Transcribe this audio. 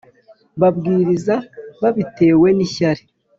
babwiriza babitewe n ishyari